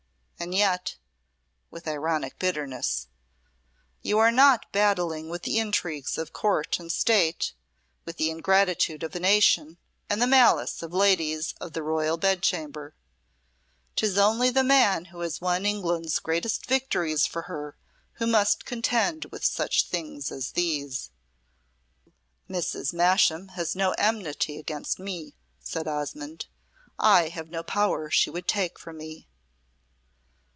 And yet" with ironic bitterness "you are not battling with intrigues of Court and State, with the ingratitude of a nation and the malice of ladies of the royal bedchamber. 'Tis only the man who has won England's greatest victories for her who must contend with such things as these." "Mrs. Masham has no enmity against me," said Osmonde. "I have no power she would take from me."